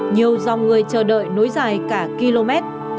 nhiều dòng người chờ đợi nối dài cả km